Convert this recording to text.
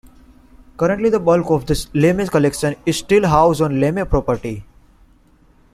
Currently, the bulk of the LeMay Collection is still housed on LeMay property.